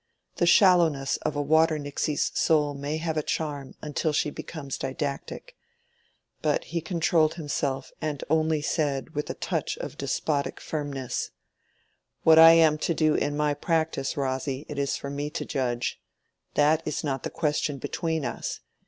The shallowness of a waternixie's soul may have a charm until she becomes didactic. But he controlled himself, and only said, with a touch of despotic firmness— "What I am to do in my practice, Rosy, it is for me to judge. That is not the question between us.